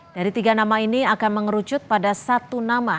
dari tiga nama ini akan mengerucut pada satu nama